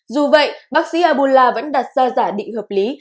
dù vậy bác sĩ abula vẫn đặt ra giả định hợp lý